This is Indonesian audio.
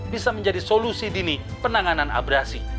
bisa menjadi solusi dini penanganan abrasi